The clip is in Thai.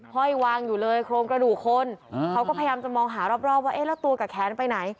ห้อยวางอยู่เลยโครงกระดูกคนเขาก็พยายามจะมองหารอบว่าเอ๊ะแล้วตัวกับแขนไปไหน